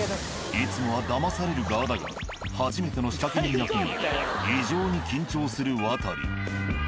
いつもはだまされる側だが初めての仕掛け人役に異常に緊張するワタリ。